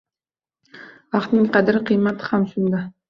Vaqtning qadr-qiymati ham shunda.